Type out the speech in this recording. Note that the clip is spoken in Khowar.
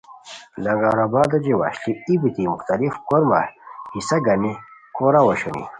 لنگرآباد اوچے وشلی ای بیتی مختلف کورمہ حصہ گانی کوراؤ اوشونی